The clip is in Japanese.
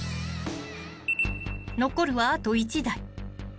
［残るはあと１台］